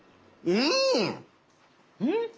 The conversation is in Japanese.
うん？